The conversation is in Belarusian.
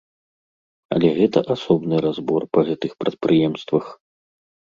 Але гэта асобны разбор па гэтых прадпрыемствах.